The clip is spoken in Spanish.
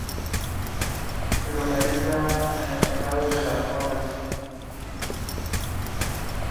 Sin embargo, ninguna de las fuentes anteriores a Estacio hace referencia a esta invulnerabilidad.